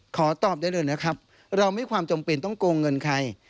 ขอตอบได้เลยนะครับเราไม่ความจำเป็นต้องโกงเงินใคร